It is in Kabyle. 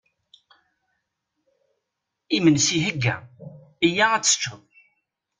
Iminsi ihegga, iyya ad teččeḍ!